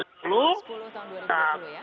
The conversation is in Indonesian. sepuluh tahun dua ribu dua puluh ya